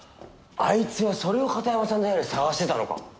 あいつはそれを片山さんの部屋で探してたのか。